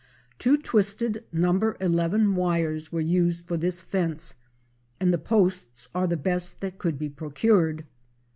Two twisted No. 11 wires were used for this fence, and the posts are the best that could be procured.